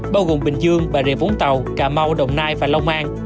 bao gồm bình dương bà rịa vũng tàu cà mau đồng nai và long an